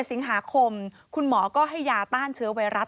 สิงหาคมคุณหมอก็ให้ยาต้านเชื้อไวรัส